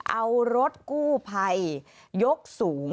เอารถกู้ภัยยกสูง